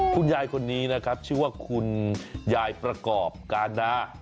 คุณยายคนนี้นะครับชื่อว่าคุณยายประกอบการนา